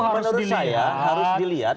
menurut saya harus dilihat